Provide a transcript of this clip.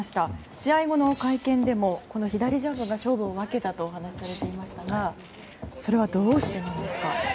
試合後の会見でも、左ジャブが勝負を分けたとお話しされていましたがそれはどうしてなんですか。